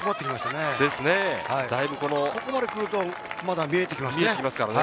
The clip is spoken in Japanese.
ここまでくると、まだ見えてきますね。